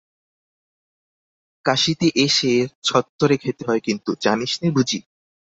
কাশীতে এসে ছত্তরে খেতে হয় কিন্তু, জানিসনে বুঝি!